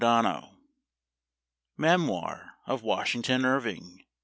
1 66 Memoir of Washington Irving.